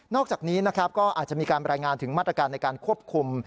อกจากนี้นะครับก็อาจจะมีการรายงานถึงมาตรการในการควบคุม